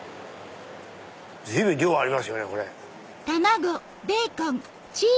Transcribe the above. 随分量ありますよね。